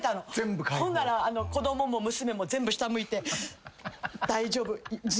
ほんなら子供も娘も全部下向いて。